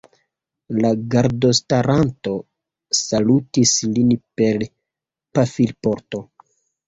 La gardostaranto salutis lin per pafilporto.